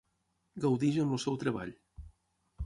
Gaudeix amb el seu treball.